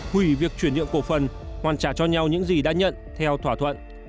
hủy việc chuyển nhượng cổ phần hoàn trả cho nhau những gì đã nhận theo thỏa thuận